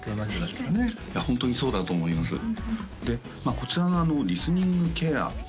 いやホントにそうだと思いますでまあこちらのリスニングケア